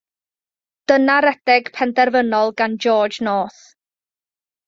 Dyna redeg penderfynol gan George North.